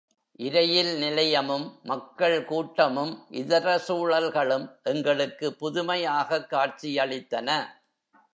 இரயில் நிலையமும், மக்கள் கூட்டமும், இதர சூழல்களும் எங்களுக்கு புதுமையாகக் காட்சியளித்தன.